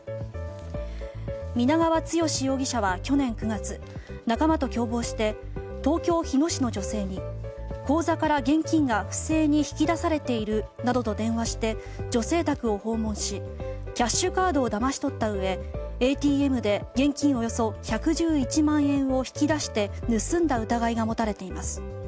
皆川剛容疑者は去年９月仲間と共謀して東京・日野市の女性に口座から現金が不正に引き出されているなどと電話して女性宅を訪問しキャッシュカードをだまし取ったうえＡＴＭで現金およそ１１１万円を引き出して盗んだ疑いがもたれています。